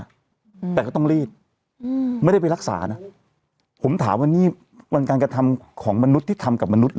อืมแต่ก็ต้องรีบอืมไม่ได้ไปรักษานะผมถามว่านี่มันการกระทำของมนุษย์ที่ทำกับมนุษย